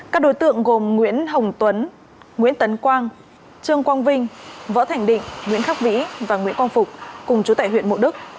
các đối tượng gồm nguyễn hồng tuấn nguyễn tấn quang trương quang vinh võ thành định nguyễn khắc vĩ và nguyễn quang phục cùng chú tại huyện mộ đức